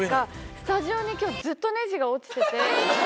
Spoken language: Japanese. スタジオにきょう、ずっとねじが落ちてて。